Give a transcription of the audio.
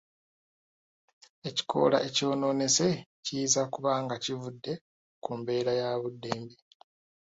Ekikoola ekyonoonese kiyinza kuba nga kivudde ku mbeera ya budde mbi.